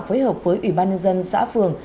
phối hợp với ủy ban nhân dân xã phường